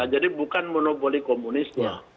jadi bukan monopoli komunisnya